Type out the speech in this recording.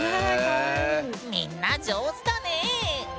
みんな上手だね。